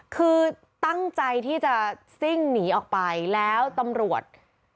คือตั้งใจที่จะซิ่งหนีออกไปแล้วตำรวจ